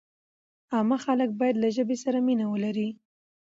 عامه خلک باید له ژبې سره مینه ولري.